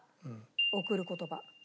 『贈る言葉』。